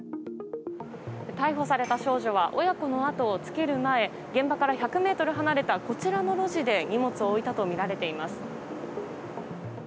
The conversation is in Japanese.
逮捕された少女は親子のあとをつける前現場から１００ｍ離れたこちらの路地で荷物を置いたとみられています。